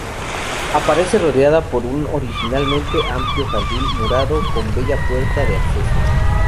Aparece rodeada por un originalmente amplio jardín murado con bella puerta de acceso.